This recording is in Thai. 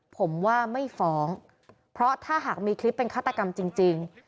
ผมว่าไม่ฟ้องเพราะถ้าหากมีคลิปเป็นฆาตกรรมจริง